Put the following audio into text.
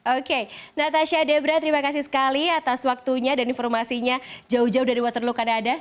oke natasha debra terima kasih sekali atas waktunya dan informasinya jauh jauh dari waterloo kanada